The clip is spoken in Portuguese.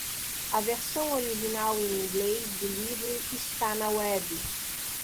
A versão original em inglês do livro está na web.